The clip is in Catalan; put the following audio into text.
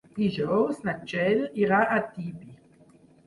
Dijous na Txell irà a Tibi.